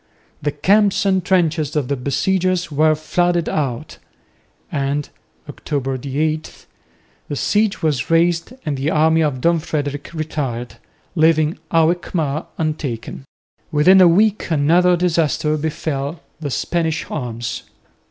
The camps and trenches of the besiegers were flooded out; and (October 8) the siege was raised and the army of Don Frederick retired, leaving Alkmaar untaken. Within a week another disaster befell the Spanish arms.